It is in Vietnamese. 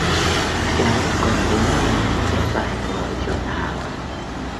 cháu còn đến nhà chép bài vở cho thảo